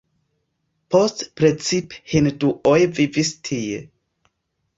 Poste precipe hinduoj vivis tie.